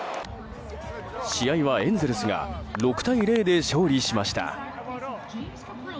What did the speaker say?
試合はエンゼルスが６対０で勝利しました。